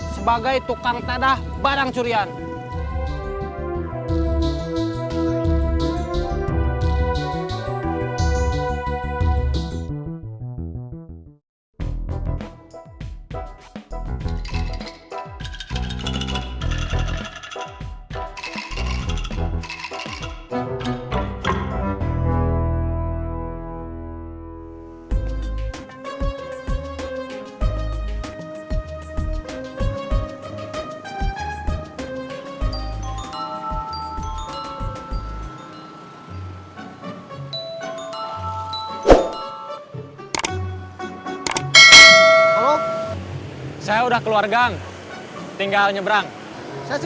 sebab aku nggak mau kasih tahu nanti saya laporin ke polisi